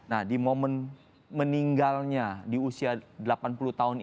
nah di momen meninggalnya di usia delapan puluh tahun ini juga di waktu yang berikutnya